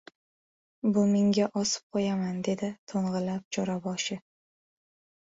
— Bumingga osib qo‘yaman! — dedi to‘ng‘illab jo‘raboshi.